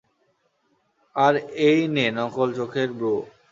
আর এই নে নকল চোখের ব্রু।